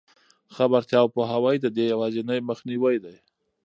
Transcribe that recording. خبرتیا او پوهاوی د دې یوازینۍ مخنیوی دی.